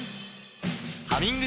「ハミング」